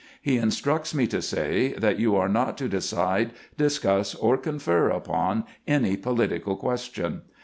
He instructs me to say that you are not to decide, discuss, or confer upon any political question.